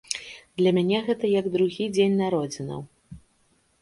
Для мяне гэта як другі дзень народзінаў.